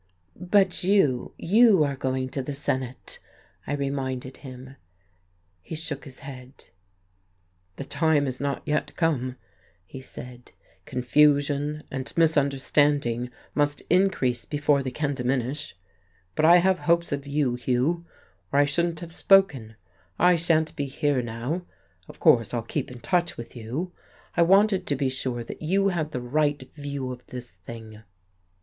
"But you you are going to the Senate," I reminded him. He shook his head. "The time has not yet come," he said. "Confusion and misunderstanding must increase before they can diminish. But I have hopes of you, Hugh, or I shouldn't have spoken. I shan't be here now of course I'll keep in touch with you. I wanted to be sure that you had the right view of this thing."